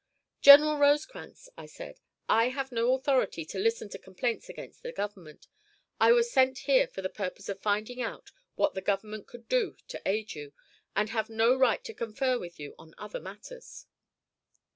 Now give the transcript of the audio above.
"General Rosecrans," I said, "I have no authority to listen to complaints against the Government. I was sent here for the purpose of finding out what the Government could do to aid you, and have no right to confer with you on other matters."